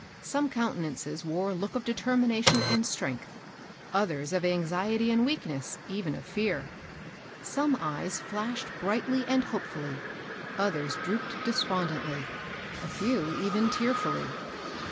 Some countenances wore a look of deter mination and strengtJi, others of anxiety and weak ness, — even of fear. Some eyes flashed brightly and hopefolly , others drooped despondingly, a few even tearftdly.